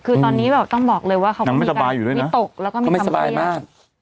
คือตอนนี้แบบต้องบอกเลยว่าเขาก็มีตกแล้วก็ไม่ทำเครียม